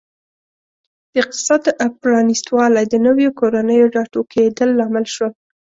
د اقتصاد پرانیستوالی د نویو کورنیو راټوکېدل لامل شول.